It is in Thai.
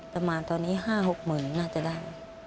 ประมาณตอนนี้๕๖หมื่นน่าจะได้